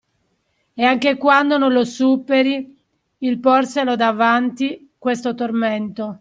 E anche quando non lo superi, il porselo davanti, questo tormento